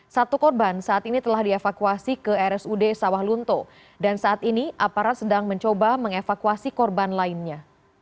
satu korban saat ini telah dievakuasi ke rsud sawah lunto dan saat ini aparat sedang mencoba mengevakuasi korban lainnya